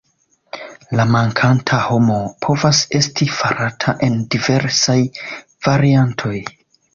La "mankanta homo" povas esti farata en diversaj variantoj.